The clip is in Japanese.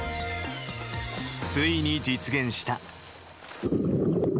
ついに実現した。